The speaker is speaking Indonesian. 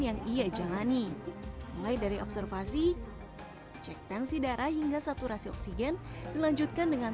yang ia jalani mulai dari observasi cek tensi darah hingga saturasi oksigen dilanjutkan dengan